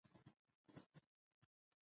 قلم د انسان د لاس ژبه ده.